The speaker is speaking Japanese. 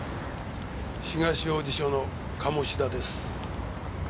東王子署の鴨志田です。